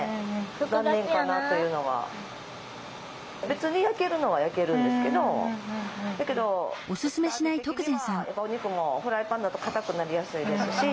別に焼けるのは焼けるんですけどだけど味的にはお肉もフライパンだとかたくなりやすいですし。